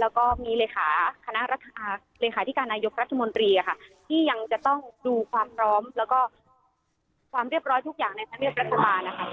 แล้วก็มีขณะรัฐาเรขาที่การนายกรัฐมนตรีที่ยังจะต้องดูความร้อมแล้วก็ความเรียบร้อยทุกอย่างการรัฐบาลค่ะ